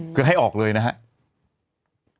คือให้ออกเลยนะครับ